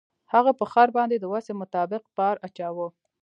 هغه په خر باندې د وسې مطابق بار اچاوه.